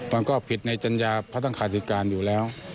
มันก็ผิดในจัญญาพัฒนขาดิการอยู่แล้ว